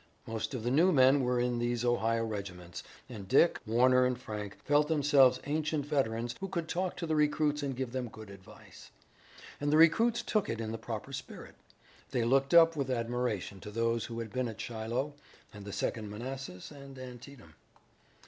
Most of the new men were in these Ohio regiments, and Dick, Warner and Frank felt themselves ancient veterans who could talk to the recruits and give them good advice. And the recruits took it in the proper spirit. They looked up with admiration to those who had been at Shiloh, and the Second Manassas and Antietam.